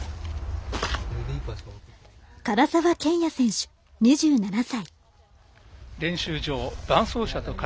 唐澤剣也選手、２７歳。